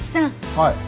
はい。